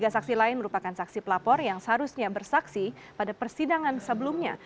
tiga saksi lain merupakan saksi pelapor yang seharusnya bersaksi pada persidangan sebelumnya